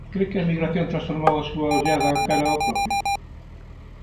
Cre que a emigración transformou a súa ollada cara ao propio?